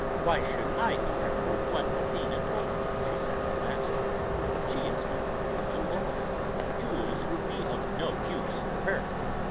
"Why should I care for what Athena told me?" she said at last. "She is not beautiful, and jewels would be of no use to her.